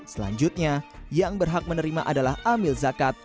selanjutnya yang berhak menerima adalah amil zakat